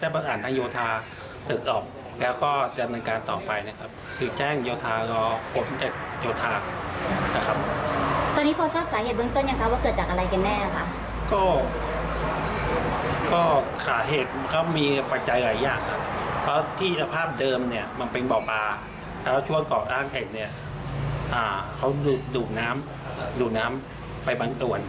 เพราะที่ภาพเดิมมันเป็นเบาะปลาแล้วช่วงเกาะอ้างแห่งเขาดูดน้ำไปบางตรวน